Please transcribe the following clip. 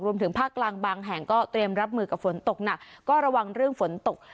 รวมถึงภาคกลางบางแห่งก็เตรียมรับมือกับฝนตกหนักก็ระวังเรื่องฝนตก